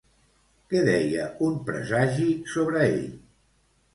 Què deia un presagi sobre ell?